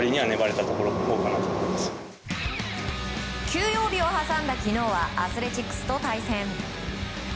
休養日を挟んだ昨日はアスレチックスと対戦。